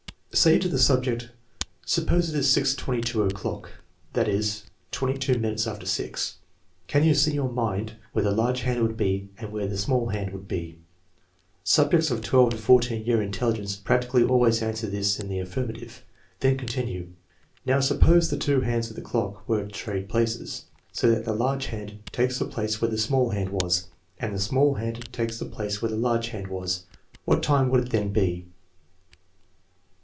Say to the subject: "Suppose it is six twenty two o'clock, that is, twenty two minutes after six; can you see in your mind where the large hand would be, and where the small hand would be? " Subjects of 12 to 14 year intelligence practically always answer this in the affirmative. Then continue: " Now, suppose the two hands of the clock were to trade places, so that the large hand takes the place where the small hand was, and the small hand takes the place where the large hand was. What time would it then be?"